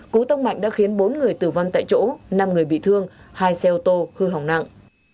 cú tông mạnh đã khiến bốn người tử vong tại chỗ năm người bị thương hai xe ô tô hư hỏng nặng